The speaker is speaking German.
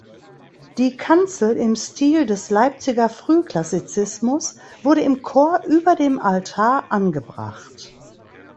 Die Kanzel im Stil des Leipziger Frühklassizismus wurde im Chor über dem Altar angebracht.